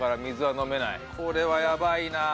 これはやばいな。